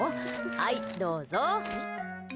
はい、どうぞ。